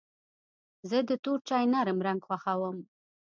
زه د تور چای نرم رنګ خوښوم.